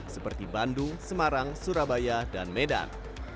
seperti bandung semarang surabaya dan medan